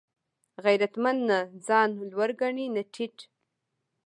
غیرتمند نه ځان لوړ ګڼي نه ټیټ